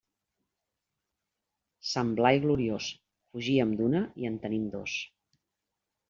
Sant Blai gloriós, fugíem d'una i en tenim dos.